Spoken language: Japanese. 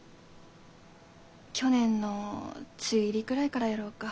去年の梅雨入りぐらいからやろうか。